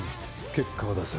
結果を出せ。